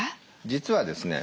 実はですね